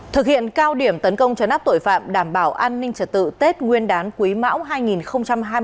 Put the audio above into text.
thực hiện cao điểm tấn công chấn áp tội phạm đảm bảo an ninh trật tự tết nguyên đán quý mão hai nghìn hai mươi bốn